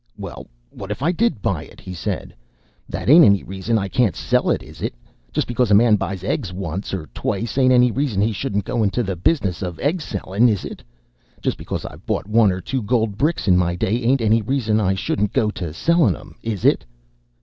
"Well, what if I did buy it?" he said. "That ain't any reason I can't sell it, is it? Just because a man buys eggs once or twice ain't any reason he shouldn't go into the business of egg selling, is it? Just because I've bought one or two gold bricks in my day ain't any reason I shouldn't go to sellin' 'em, is it?"